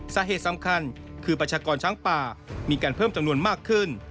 สาเหตุสำคัญคือประชากรช้างป่ามีการเพิ่มจำนวนมากขึ้น